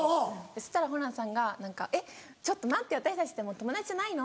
そしたらホランさんが「えっちょっと待ってよ私たちってもう友達じゃないの？」。